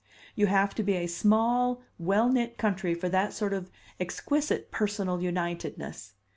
You have to be a small, well knit country for that sort of exquisite personal unitedness.